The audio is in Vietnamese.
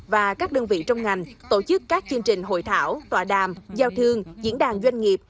và các đơn vị trong ngành tổ chức các chương trình hội thảo tòa đàm giao thương diễn đàn doanh nghiệp